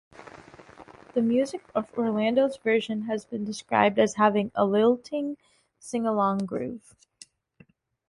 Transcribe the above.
The music of Orlando's version has been described as having "a lilting, sing-along groove".